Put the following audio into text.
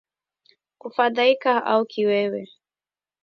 Kufadhaika au kiwewe